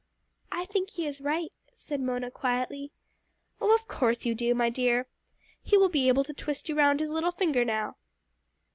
"I think he is right," said Mona quietly. "Oh, of course you do, my dear. He will be able to twist you round his little finger now."